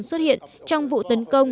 xuất hiện trong vụ tấn công